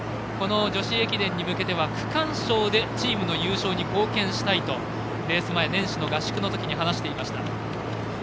女子駅伝に向けては区間賞でチームの優勝に貢献したいとレース前、年始の合宿のときに話していました。